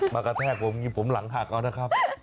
กระแทกผมผมหลังหักเอานะครับ